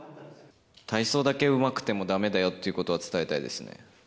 体操だけうまくてもだめだよっていうことは伝えたいですね。